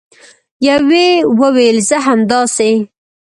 یوې وویل: زه همداسې